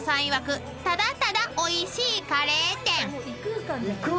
いわくただただおいしいカレー店］